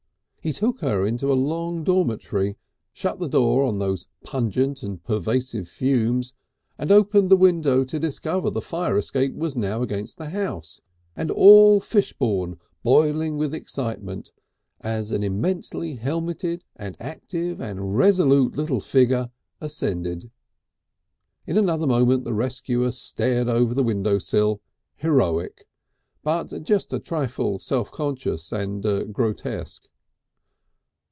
He took her into a long dormitory, shut the door on those pungent and pervasive fumes, and opened the window to discover the fire escape was now against the house, and all Fishbourne boiling with excitement as an immensely helmeted and active and resolute little figure ascended. In another moment the rescuer stared over the windowsill, heroic, but just a trifle self conscious and grotesque.